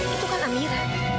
itu kan amira